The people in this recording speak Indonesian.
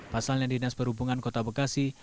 pasalnya dinas perhubungan kota bekasi